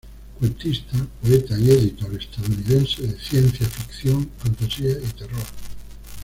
Cuentista, poeta y editor estadounidense de ciencia ficción, fantasía y terror.